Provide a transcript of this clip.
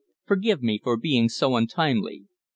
"Forgive me for being so untimely."